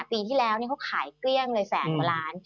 ปีที่แล้วนี่เขาขายเกลี้ยงเลยแสนกว่าล้าน